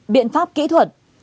biện pháp kỹ thuật